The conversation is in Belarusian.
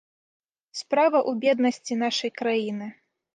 Справа ў беднасці нашай краіны.